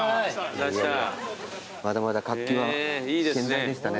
まだまだ活気は健在でしたね。